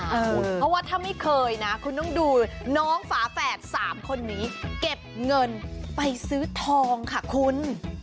เพราะว่าถ้าไม่เคยนะคุณต้องดูน้องฝาแฝด๓คนนี้เก็บเงินไปซื้อทองค่ะคุณ